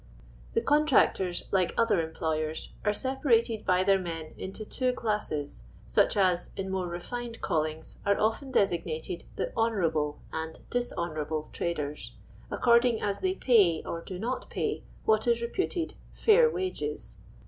The "contractors, like other employers, are separated by their men into two classes — such as, in more refined callings, are often designated the " honourable " and dishonourable '* traders — ac cording as they pay or do not pay what is reputed " &ir wages.